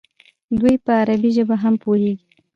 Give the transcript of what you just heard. دوی په عربي ژبه هم پوهېږي.